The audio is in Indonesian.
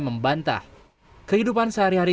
membantah kehidupan sehari hari